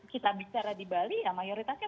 kita bicara di bali ya mayoritasnya